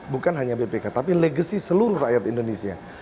bukan hanya bpk tapi legacy seluruh rakyat indonesia